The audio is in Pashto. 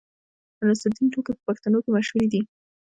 د نصرالدین ټوکې په پښتنو کې مشهورې دي.